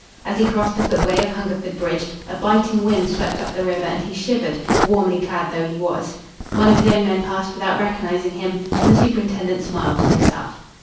As he crossed the footway of Hungerford Bridge, a biting wind swept up the river and he shivered, warmly clad though he was. One of his own men passed without recognising him, and the superintendent smiled to himself.